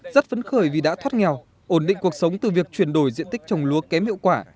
rất phấn khởi vì đã thoát nghèo ổn định cuộc sống từ việc chuyển đổi diện tích trồng lúa kém hiệu quả